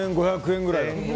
１５００円ぐらい。